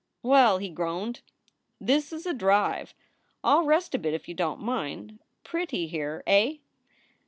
"Well," he groaned, "this is a drive! I ll rest a bit if you don t mind. Pretty here, eh?"